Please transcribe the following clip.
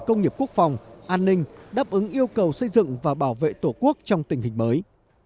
công nghiệp quốc phòng an ninh đáp ứng yêu cầu xây dựng và bảo vệ tổ quốc trong tình hình mới